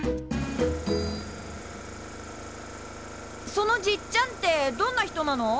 そのじっちゃんってどんな人なの？